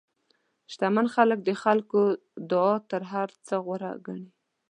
شتمن خلک د خلکو دعا تر هر څه غوره ګڼي.